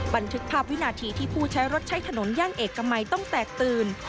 บันทึกภาพวินาทีที่ผู้ใช้รถใช้ถนนย่านเอกมัยต้องแตกตื่น